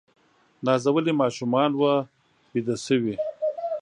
نازولي ماشومان وه بیده شوي